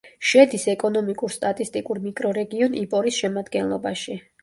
შედის ეკონომიკურ-სტატისტიკურ მიკრორეგიონ იპორის შემადგენლობაში.